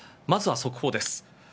まずは速報です。